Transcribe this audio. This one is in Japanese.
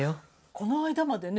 この間までね